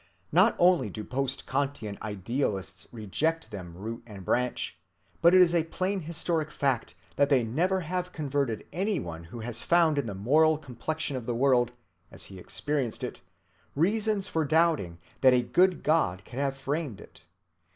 Not only do post‐Kantian idealists reject them root and branch, but it is a plain historic fact that they never have converted any one who has found in the moral complexion of the world, as he experienced it, reasons for doubting that a good God can have framed it.